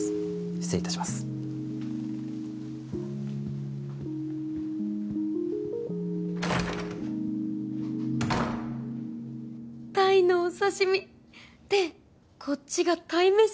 失礼いたします鯛のお刺身！でこっちが鯛めし？